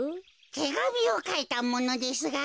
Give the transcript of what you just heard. てがみをかいたものですが。